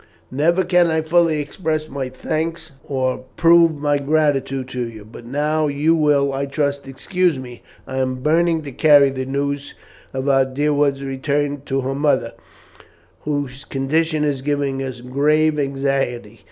Never can I fully express my thanks or prove my gratitude to you, but now you will, I trust, excuse me. I am burning to carry the news of our dear one's return to her mother, whose condition is giving us grave anxiety.